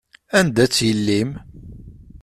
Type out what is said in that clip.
Anda-tt yelli-m?